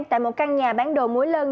tại một căn nhà bán đồ muối lân